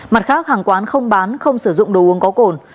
mặt khác hàng quán không bán không sử dụng đồ uống có cồn